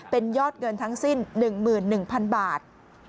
เป็นยอดเงินทั้งสิ้น๑๑๐๐๐บาท